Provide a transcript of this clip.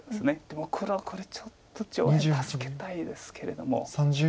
でも黒はこれちょっと上辺助けたいですけれども。